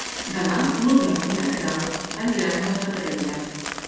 Demà n'Oriol i na Queralt aniran a la Fatarella.